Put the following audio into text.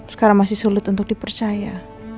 sekarang masih sulit untuk dipercaya